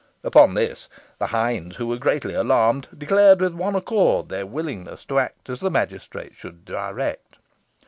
Upon this, the hinds, who were greatly alarmed, declared with one accord their willingness to act as the magistrate should direct.